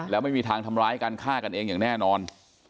แล้วไม่มีทางทำร้ายการฆ่ากันเองอย่างแน่นอน